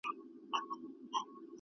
بقراط د ګنجیتوب په اړه څېړنې کړې.